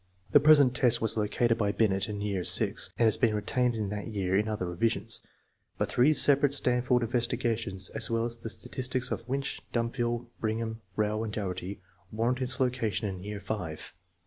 The present test was located by Binet in year VI and has been retained in that year in other revisions; but three separate Stanford investigations, as well as the statistics of Winch, Dumville, Brigham, Howe, and Dougherty, warrant its location in year V.